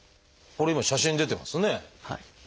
これ今写真出てますね。